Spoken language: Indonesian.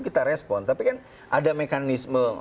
kita respon tapi kan ada mekanisme